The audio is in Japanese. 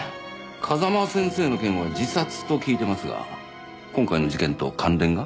風間先生の件は自殺と聞いてますが今回の事件と関連が？